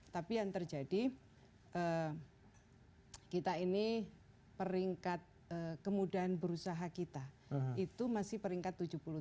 tapi yang terjadi kita ini peringkat kemudahan berusaha kita itu masih peringkat tujuh puluh tiga